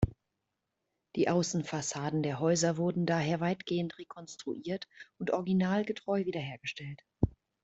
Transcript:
Die Außenfassaden der Häuser wurden daher weitgehend rekonstruiert und originalgetreu wieder hergestellt.